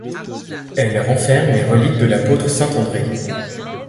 Elle renferme les reliques de l'apôtre Saint André.